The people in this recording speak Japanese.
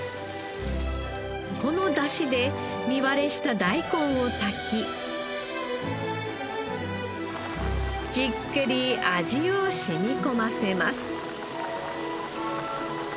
この出汁で実割れした大根を炊きじっくり味を染み込ませます。